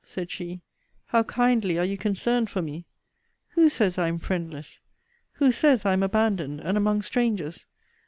said she; how kindly are you concerned for me! Who says I am friendless? Who says I am abandoned, and among strangers?